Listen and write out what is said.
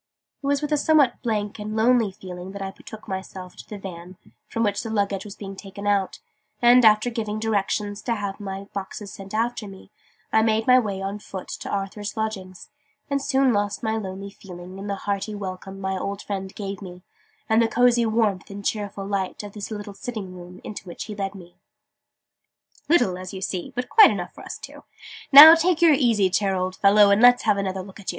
It was with a somewhat blank and lonely feeling that I betook myself to the van from which the luggage was being taken out: and, after giving directions to have my boxes sent after me, I made my way on foot to Arthur's lodgings, and soon lost my lonely feeling in the hearty welcome my old friend gave me, and the cozy warmth and cheerful light of the little sitting room into which he led me. "Little, as you see, but quite enough for us two. Now, take the easy chair, old fellow, and let's have another look at you!